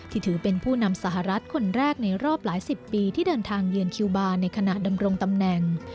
ถือเป็นผู้นำสหรัฐคนแรกในรอบหลายสิบปีที่เดินทางเยือนคิวบาร์ในขณะดำรงตำแหน่ง